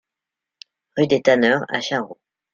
Rue des Tanneurs à Charroux